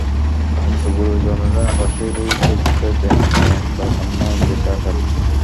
কিন্তু গুরুজনেরাই আবার সেই ভুল শুধরে দেন, না, দরকার নাই দেশে আসার।